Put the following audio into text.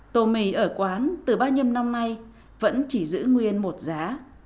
tô mì ở quán từ ba mươi năm năm nay vẫn chỉ giữ nguyên một giá